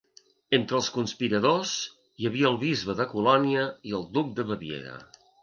Entre els conspiradors hi havia el bisbe de Colònia i el duc de Baviera.